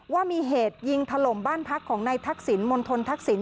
ว่ามีเหตุยิงถล่มบ้านพักของนายทักษิณมณฑลทักษิณ